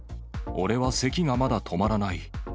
俺はせきがまだ止まらない。